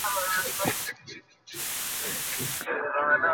তিনি আমাদের জন্য যা হারাম করেছেন আমরা তা হারাম করেছি।